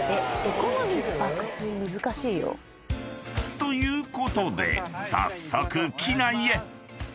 ［ということで早速機内へ］